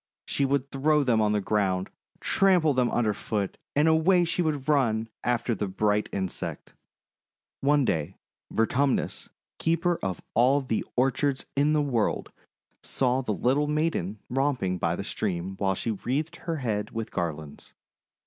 She would throw them on the ground, trample them underfoot, and away she would run after the bright insect. One day Vertumnus, Keeper of All the Or chards in the World, saw the little maiden romp ing by the stream while she wreathed her head with garlands.